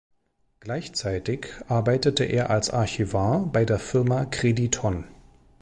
Gleichzeitig arbeitete er als Archivar bei der Firma "Crediton".